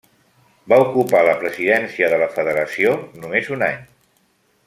Va ocupar la presidència de la federació només un any.